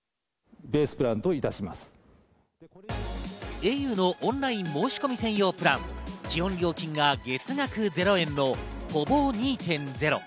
ａｕのオンライン申し込み専用プラン基本料金が月額０円のｐｏｖｏ２．０。